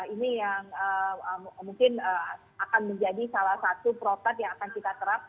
ini yang mungkin akan menjadi salah satu protat yang akan kita terapkan